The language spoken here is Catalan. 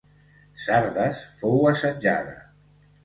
Sardes fou assetjada.